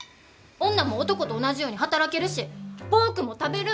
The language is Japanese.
女も男と同じように働けるしポークも食べる！